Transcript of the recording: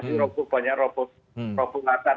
masih banyak yang rokok rokok rokok atas